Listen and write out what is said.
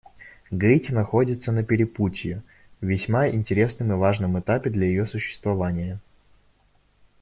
Гаити находится на перепутье — весьма интересном и важном этапе для ее существования.